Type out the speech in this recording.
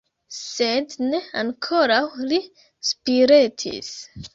Sed ne; ankoraŭ li spiretis.